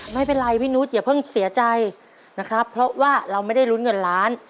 ไม่เป็นไรพี่นุษอย่าเพิ่งเสียใจนะครับเพราะว่าเราไม่ได้ลุ้นเงินล้าน